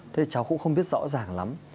thế cháu cũng không biết rõ ràng lắm